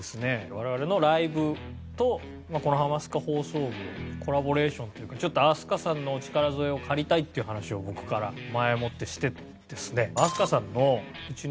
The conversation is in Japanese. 我々のライブとこの『ハマスカ放送部』コラボレーションというかちょっと飛鳥さんのお力添えを借りたいっていう話を僕から前もってしてですね飛鳥さんのうちのライブのですね